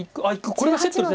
これがセットです。